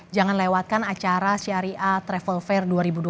jangan lewatkan acara syariah travel fair dua ribu dua puluh